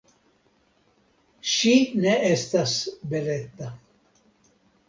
Ŝi ne estas beleta.